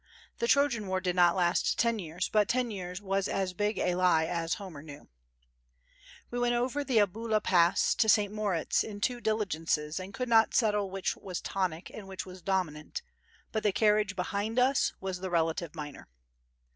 The Trojan war did not last ten years, but ten years was as big a lie as Homer knew. We went over the Albula Pass to St. Moritz in two diligences and could not settle which was tonic and which was dominant; but the carriage behind us was the relative minor.